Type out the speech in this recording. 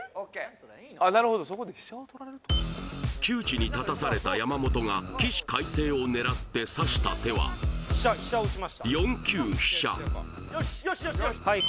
なるほどそこで飛車を窮地に立たされた山本が起死回生を狙って指した手は４九飛車はい